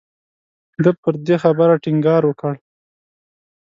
ده پر دې خبرې ټینګار وکړ.